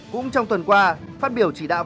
cũng trong tuần qua phát biểu chỉ đạo